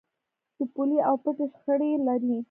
د پولې او پټي شخړه لرئ؟